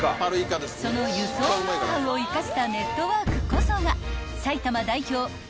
［その輸送ノウハウを生かしたネットワークこそが埼玉代表がってん寿司